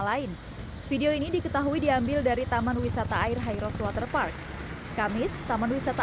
lain video ini diketahui diambil dari taman wisata air hairos waterpark kamis taman wisata